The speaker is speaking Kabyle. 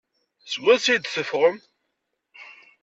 Seg wansi ay d-teffɣem?